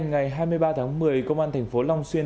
ngày hai mươi ba tháng một mươi công an tp hcm